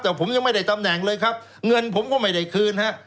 แต่ผมยังไม่ได้ตำแหน่งเลยครับเงินผมก็ไม่ได้คืนฮะ